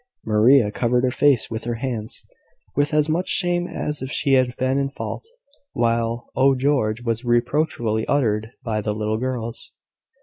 Maria covered her face with her hands, with as much shame as if she had been in fault, while "Oh, George!" was reproachfully uttered by the little girls.